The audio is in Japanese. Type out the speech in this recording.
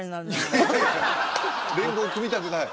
連合組みたくない？